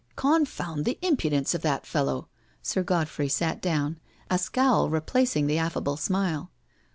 " Confound the impudence of the fellow!" Sir God frey sat down, a scowl replacing the affable smile.